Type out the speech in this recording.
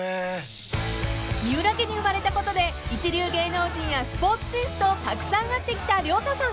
［三浦家に生まれたことで一流芸能人やスポーツ選手とたくさん会ってきた太さん］